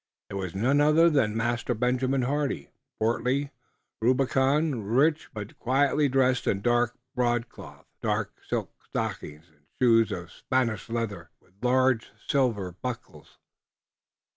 It was none other than Master Benjamin Hardy, portly, rubicund, richly but quietly dressed in dark broadcloth, dark silk stockings and shoes of Spanish leather with large silver buckles.